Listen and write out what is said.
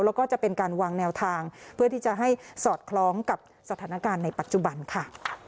แล้วก็จะเป็นการวางแนวทางเพื่อที่จะให้สอดคล้องกับสถานการณ์ในปัจจุบันค่ะ